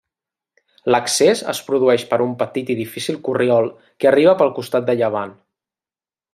L'accés es produeix per un petit i difícil corriol que arriba pel costat de llevant.